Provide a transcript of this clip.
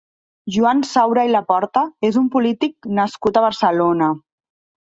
Joan Saura i Laporta és un polític nascut a Barcelona.